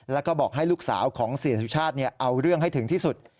แล้วก็บอกให้ลูกสาวของเศรษฐศาสตร์เนี่ยเอาเรื่องให้ถึงที่สุด